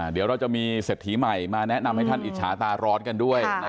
เดี๋ยวเราจะมีเศรษฐีใหม่มาแนะนำให้ท่านอิจฉาตาร้อนกันด้วย